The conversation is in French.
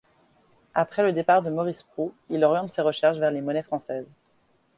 Après le départ de Maurice Prou, il oriente ses recherches vers les monnaies françaises.